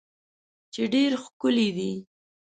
چې ډیر ښکلی دی